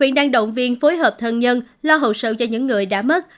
viện đăng động viên phối hợp thân nhân lo hậu sự cho những người đã mất